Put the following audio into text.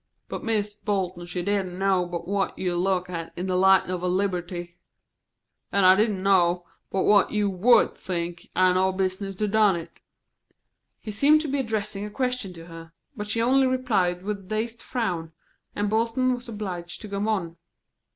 But Mis' Bolton she didn't know but what you'd look at it in the light of a libbutty, and I didn't know but what you would think I no business to done it." He seemed to be addressing a question to her, but she only replied with a dazed frown, and Bolton was obliged to go on.